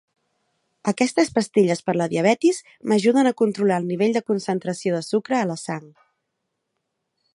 Aquestes pastilles per a la diabetis m'ajuden a controlar el nivell de concentració de sucre a la sang.